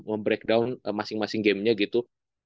membreakdown masing masing gamenya gitu